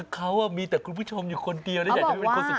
เขามีแต่คุณผู้ชมอยู่คนเดียวและอยากจะไม่เป็นคนสุดท้าย